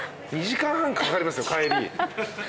２時間半かかりますよ帰り。